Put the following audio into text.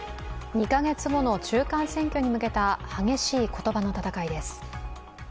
２カ月後の中間選挙に向けた激しい言葉の戦いです。